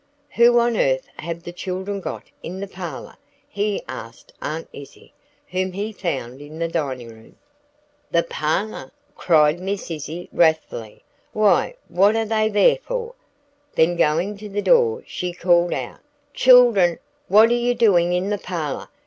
"Who on earth have the children got in the parlor?" he asked Aunt Izzie, whom he found in the dining room. "The parlor!" cried Miss Izzie, wrathfully, "why, what are they there for?" Then going to the door, she called out, "Children, what are you doing in the parlor?